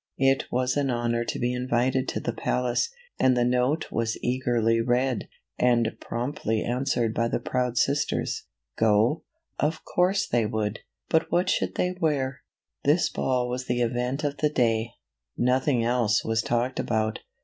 It was an honor to be invited to the palace, and the note was eagerly read, and promptly answered by the proud sisters. Go ? Of course they would ! But what should they wear ? HER FAIRY GODMOTHER APPEARS TO CINDERELLA. This ball was the event of the day. Nothing else was talked about.